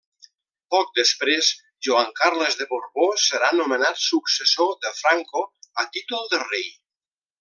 Poc després Joan Carles de Borbó serà nomenat successor de Franco a títol de Rei.